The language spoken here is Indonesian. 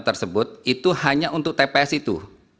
tersebut itu hanya untuk tps itu